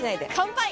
乾杯！